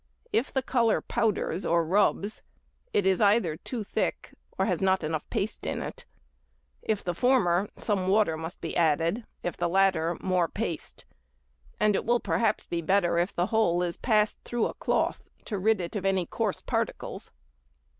If the colour powders or rubs, it is either too thick, or has not enough paste in it. If the former, some water must be added; if the latter, more paste: and it will perhaps be better if the whole is passed through a cloth to rid it of any coarse particles.